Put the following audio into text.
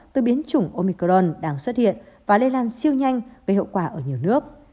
từ biến chủng omicron đang xuất hiện và lây lan siêu nhanh gây hậu quả ở nhiều nước